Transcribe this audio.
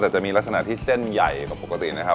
แต่จะมีลักษณะที่เส้นใหญ่กว่าปกตินะครับ